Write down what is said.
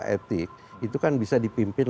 etik itu kan bisa dipimpin